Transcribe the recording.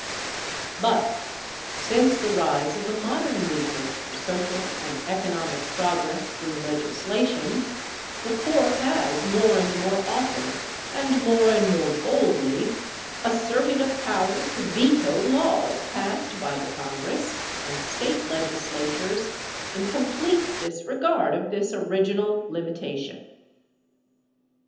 But since the rise of the modern movement for social and economic progress through legislation, the Court has more and more often and more and more boldly asserted a power to veto laws passed by the Congress and state legislatures in complete disregard of this original limitation.